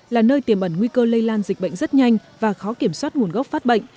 là nơi tiềm ẩn nguy cơ lây lan dịch bệnh rất nhanh và khó kiểm soát nguồn gốc phát bệnh